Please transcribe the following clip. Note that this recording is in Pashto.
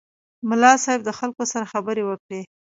ملا صیب د خلکو سره خبرې وکړې.